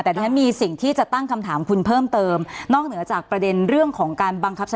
แต่ดิฉันมีสิ่งที่จะตั้งคำถามคุณเพิ่มเติมนอกเหนือจากประเด็นเรื่องของการบังคับใช้